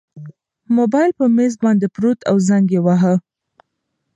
موبایل په مېز باندې پروت و او زنګ یې واهه.